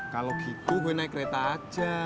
kalau gitu gue naik kereta aja